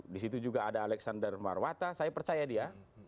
di situ juga ada alexander marwata saya percaya dia